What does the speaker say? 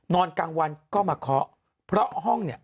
นอนกลางวันก็มาเคาะเพราะห้องเนี่ย